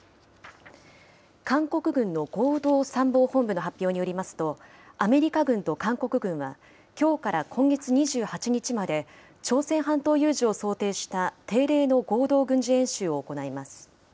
韓国軍の合同参謀本部の発表によりますと、アメリカ軍と韓国軍は、きょうから今月２８日まで、朝鮮半島有事を想定した定例の合同軍事演習を行います。